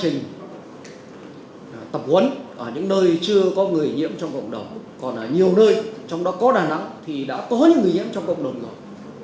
nhiều nơi trong đó có đà nẵng thì đã có những người nhiễm trong cộng đồng rồi